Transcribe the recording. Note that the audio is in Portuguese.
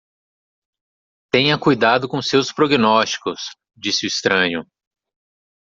"Tenha cuidado com seus prognósticos?", disse o estranho.